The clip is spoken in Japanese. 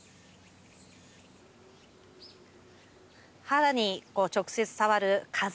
肌に直接触る風